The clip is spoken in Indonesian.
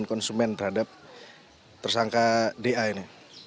dan konsumen terhadap tersangka da ini